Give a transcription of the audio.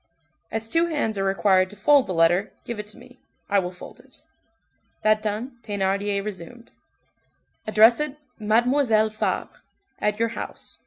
"As two hands are required to fold the letter, give it to me, I will fold it." That done, Thénardier resumed:— "Address it, 'Mademoiselle Fabre,' at your house.